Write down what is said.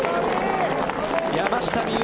山下美夢